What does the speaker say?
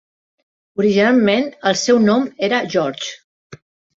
Originalment el seu nom era George.